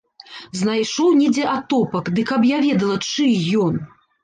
Знайшоў недзе атопак, ды каб я ведала, чый ён!